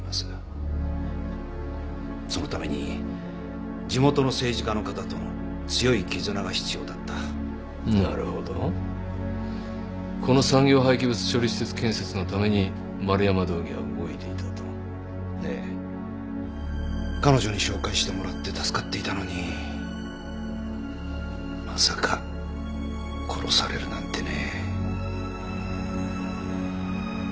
そのために地元の政治家の方との強い絆が必要だったなるほどこの産業廃棄物処理施設建設のために丸山道議は動いていたとええ彼女に紹介してもらって助かっていたのにまさか殺されるなんてね